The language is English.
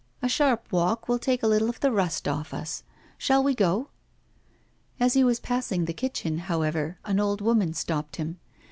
A sharp walk will take a little of the rust off us. Shall we go?' As he was passing the kitchen, however, an old woman stopped him.